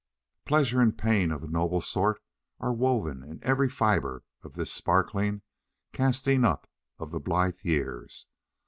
Pleasure and pain of a noble sort are woven in every fibre of this sparkling casting up of the blithe years.